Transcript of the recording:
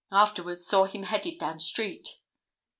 Afterwards saw him headed down street."